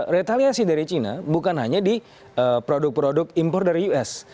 retaliasi dari china bukan hanya di produk produk impor dari us